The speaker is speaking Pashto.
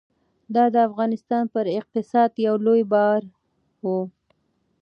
دا د افغانستان پر اقتصاد یو لوی بار و.